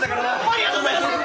ありがとうございます！